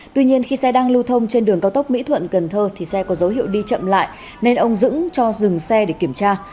tuy nhiên khi xe đang lưu thông trên đường cao tốc mỹ thuận cần thơ thì xe có dấu hiệu đi chậm lại nên ông dững cho dừng xe để kiểm tra